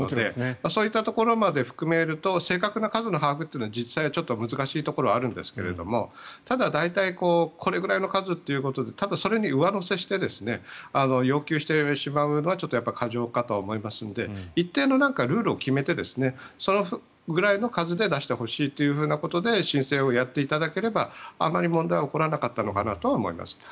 そういったところまで含めると正確な数の把握は、実際は難しいところがあるんですがただ、大体これぐらいの数ということでただ、それに上乗せして要求してしまうのはやっぱり過剰かとは思いますので一定のルールを決めてそのぐらいの数で出してほしいということで申請をやっていただければあまり問題は起こらなかったのかなとは思います。